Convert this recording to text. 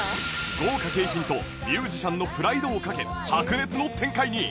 豪華景品とミュージシャンのプライドを懸け白熱の展開に